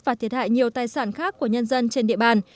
và thiệt hại nhiều tài sản khác của nhân dân trên địa bàn